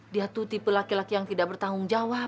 dia tuh tipe laki laki yang tidak bertanggung jawab